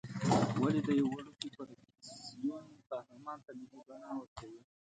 ولې د یوه وړوکي فرکسیون قهرمان ته ملي بڼه ورکوې.